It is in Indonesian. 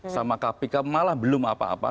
sama kpk malah belum apa apa